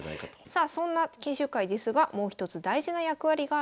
さあそんな研修会ですがもう一つ大事な役割があるんです。